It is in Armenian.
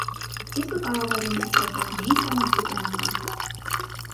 Սկիզբը կարող է լինել կայծակնային կամ աստիճանական։